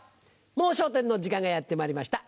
『もう笑点』の時間がやってまいりました。